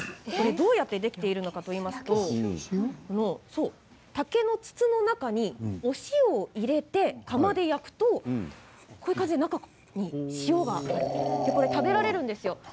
どうやってできているかといいますと竹の筒の中に塩を入れて窯で焼くとこんな形になって食べられるんですよ。